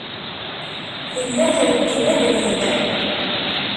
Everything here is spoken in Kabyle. Tella treggel abrid.